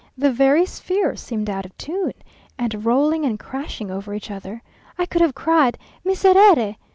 The very spheres seemed out of tune, and rolling and crashing over each other. I could have cried _Miserere!